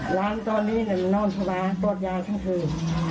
หลานตอนนี้มันนอนทุกวาวลอดยาวทั้งคือ